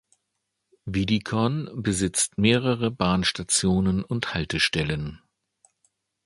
Wiedikon besitzt mehrere Bahnstationen und Haltestellen.